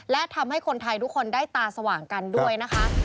และทำให้คนไทยทุกคนได้ตาสว่างกันด้วยนะคะ